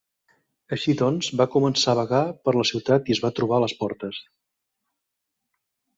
Així doncs, va començar a vagar per la ciutat i es va trobar a les portes.